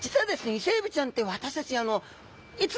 イセエビちゃんって私たちあの見ないです！